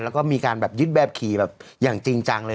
แล้วก็มีการแบบยึดแบบขี่แบบอย่างจริงจังเลย